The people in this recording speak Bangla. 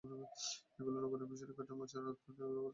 এগুলো নগরের ফিশারি ঘাটের মাছের আড়ত হয়ে নগরের বিভিন্ন বাজারে চলে যায়।